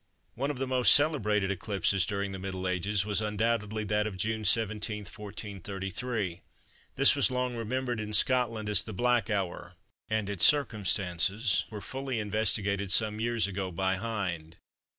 One of the most celebrated eclipses during the Middle Ages was undoubtedly that of June 17, 1433. This was long remembered in Scotland as the "Black Hour," and its circumstances were fully investigated some years ago by Hind.